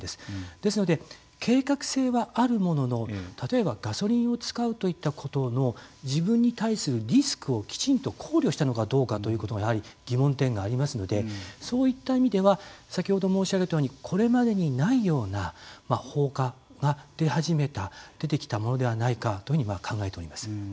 ですので、計画性はあるものの例えばガソリンを使うといったことの自分に対するリスクをきちんと考慮したのかどうかというところに疑問点がありますのでそういった意味では先ほど申し上げたようにこれまでにないような放火が出始めた出てきたものではないかというふうに考えております。